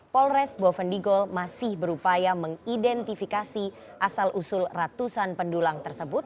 polres bovendigol masih berupaya mengidentifikasi asal usul ratusan pendulang tersebut